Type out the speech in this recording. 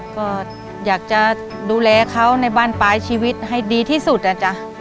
ก็อยากจะดูแลเขาในบ้านปลายชีวิตให้ดีที่สุดอะจ๊ะ